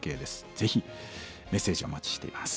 ぜひメッセージお待ちしています。